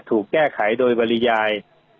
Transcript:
ถูกแก้ไขโดยปริยาย